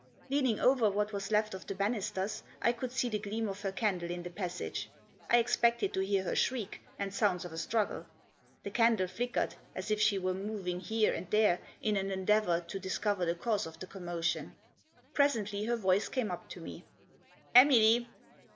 Leaning over what was left of the banisters I could see the gleam of her candle in the passage. I expected to hear her shriek, and sounds of a struggle. The candle flickered, as if she were moving here and there in an endeavour to discover the cause of the commo tion. Presently her voice came up to me. " Emily